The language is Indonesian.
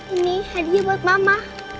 ini hadiah buat mama